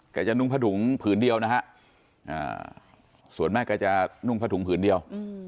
แกจะนุ่งผ้าถุงผืนเดียวนะฮะส่วนมากแกจะนุ่งผ้าถุงผืนเดียว